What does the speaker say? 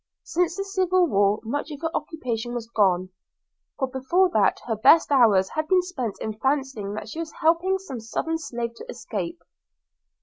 Since the Civil War much of her occupation was gone; for before that her best hours had been spent in fancying that she was helping some Southern slave to escape.